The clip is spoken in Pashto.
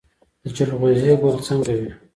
د جلغوزي ګل څنګه وي؟